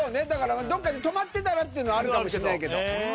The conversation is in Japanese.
どこかで止まってたらってのはあるかもしれないけど。